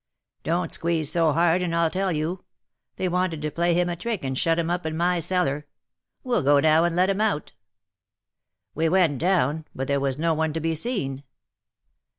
'Don't squeeze so hard, and I'll tell you. They wanted to play him a trick and shut him up in my cellar; we'll go now and let him out.' We went down, but there was no one to be seen.